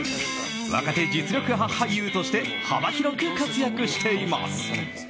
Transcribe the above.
若手実力派俳優として幅広く活躍しています。